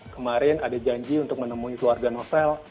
kemarin ada janji untuk menemui keluarga novel